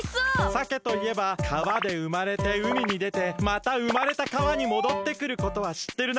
さけといえば川でうまれて海にでてまたうまれた川にもどってくることはしってるな？